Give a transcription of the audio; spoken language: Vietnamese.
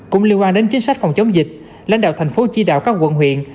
cũng liên quan đến chính sách phòng chống dịch lãnh đạo tp chi đạo các quận huyện